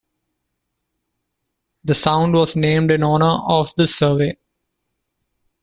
The sound was named in honour of this survey.